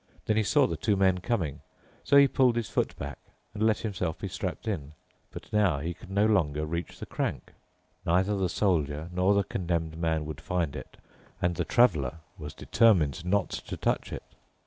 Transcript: Then he saw the two men coming. So he pulled his foot back and let himself be strapped in. But now he could no longer reach the crank. Neither the Soldier nor the Condemned Man would find it, and the Traveler was determined not to touch it.